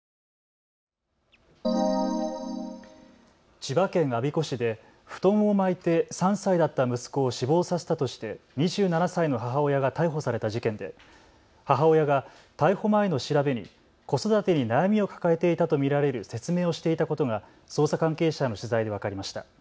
千葉県我孫子市で布団を巻いて３歳だった息子を死亡させたとして２７歳の母親が逮捕された事件で母親が逮捕前の調べに子育てに悩みを抱えていたと見られる説明をしていたことが捜査関係者への取材で分かりました。